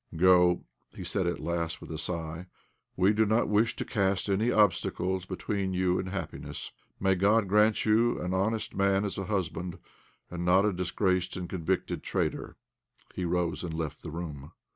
"Go," he said at last, with a sigh; "we do not wish to cast any obstacles between you and happiness. May God grant you an honest man as a husband, and not a disgraced and convicted traitor." He rose and left the room.